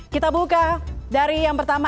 kita buka dari yang pertama